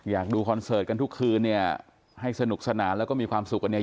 ดูคอนเสิร์ตกันทุกคืนเนี่ยให้สนุกสนานแล้วก็มีความสุขกันเนี่ย